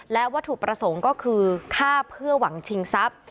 และวัตถุประสงค์ก็คือฆ่าเพื่อหวังชิงทรัพย์